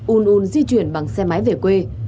un un di chuyển bằng xe máy về quê